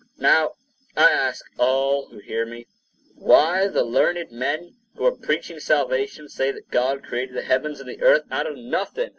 Now, I ask all who hear me, why the learned men who are preaching salvation, say that God created the heavens and the earth out of nothing?